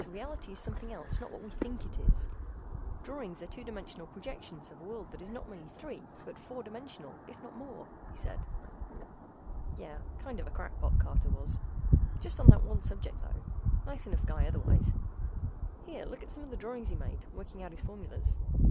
Reality is something else, not what we think it is. Drawings are two dimensional projections of a world that is not merely three but four dimensional, if not more," he said. Yeh, kind of a crackpot, Carter was. Just on that one subject, though; nice enough guy otherwise. Here, look at some of the drawings he made, working out his formulas.